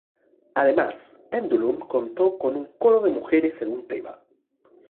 Además, "Pendulum" contó con un coro de mujeres en un tema.